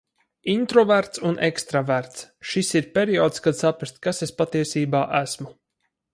Introverts un ekstraverts – šis ir periods, kad saprast, kas es patiesībā esmu.